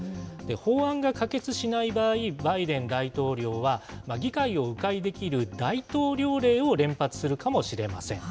法案が可決しない場合、バイデン大統領は、議会をう回できる大統領令を連発するかもしれません。